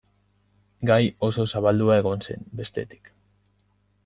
Gai oso zabaldua egon zen, bestetik.